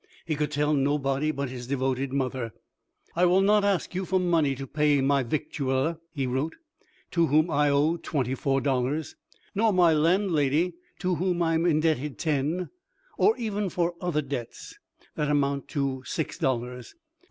He could tell nobody but his devoted mother: "I will not ask you for money to pay my victualler," he wrote, "to whom I owe twenty four dollars; nor my landlady to whom I am indebted ten; or even for other debts, that amount to six dollars.